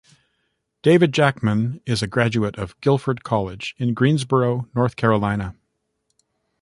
David Jackman is a graduate of Guilford College in Greensboro, North Carolina.